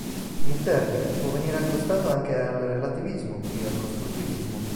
Il termine può venire accostato anche al relativismo, e al costruttivismo.